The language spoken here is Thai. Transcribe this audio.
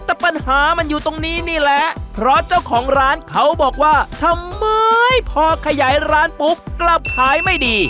แต่ปัญหามันอยู่ตรงนี้นี่แหละเพราะเจ้าของร้านเขาบอกว่าทำไมพอขยายร้านปุ๊บกลับขายไม่ดี